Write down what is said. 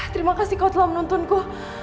terima kasih kau telah menuntunku